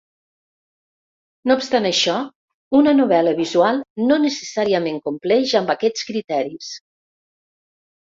No obstant això, una novel·la visual no necessàriament compleix amb aquests criteris.